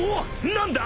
何だ？